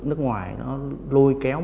nước ngoài nó lôi kéo